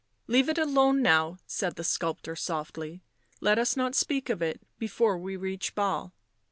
" Leave it alone now," said the sculptor softly. " Let us not speak of it before we reach Basle."